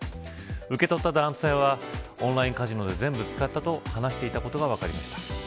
受け取った男性はオンラインカジノで全部使ったと話していたことが分かりました。